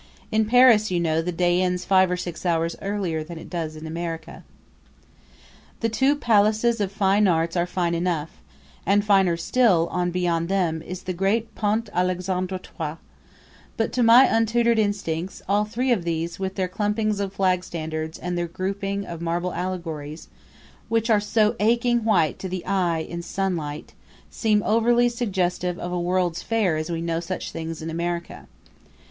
In Paris, you know, the day ends five or six hours earlier than it does in America. The two Palaces of Fine Arts are fine enough; and finer still, on beyond them, is the great Pont Alexandre III; but, to my untutored instincts, all three of these, with their clumpings of flag standards and their grouping of marble allegories, which are so aching white to the eye in the sunlight, seemed overly suggestive of a World's Fair as we know such things in America.